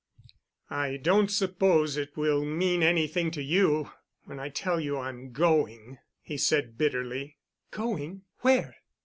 "I don't suppose it will mean anything to you when I tell you I'm going," he said bitterly. "Going—where?"